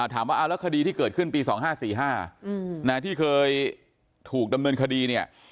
ถามว่าเอาแล้วคดีที่เกิดขึ้นปี๒๕๔๕ที่เคยถูกดำเนินคดีเนี่ย